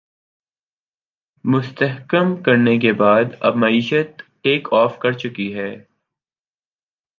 مستحکم کرنے کے بعد اب معیشت ٹیک آف کر چکی ہے